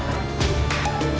yang ini pak